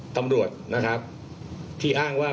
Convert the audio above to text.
ตำรวจนะครับที่อ้างว่า